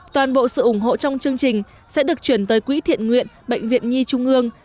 toàn bộ sự ủng hộ trong chương trình sẽ được chuyển tới quỹ thiện nguyện bệnh viện nhi trung ương